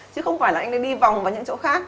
chứ không phải là anh nên đi vòng vào những chỗ khác